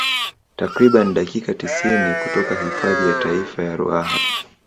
Takriban dakika tisini kutoka hifadhi ya taifa ya Ruaha